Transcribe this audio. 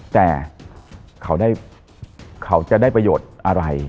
แต่เขาจะได้ประโยชน์อะไร